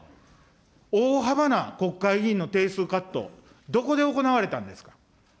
大幅な国会議員の定数カット、どこで行われたんですか。